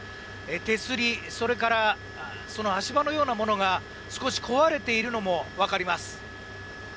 手すり、それからその足場のようなものが少し壊れているのもわかります。